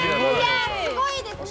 すごいですね。